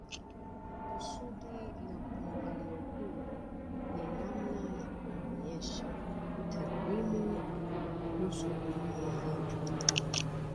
Kusudi la mpangilio huu ni namna ya kuonyesha takwimu kuhusu dunia yetu.